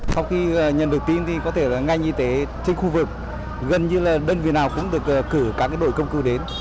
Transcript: sau khi nhận được tin thì có thể là ngay như thế trên khu vực gần như là đơn vị nào cũng được cử các đội công cư đến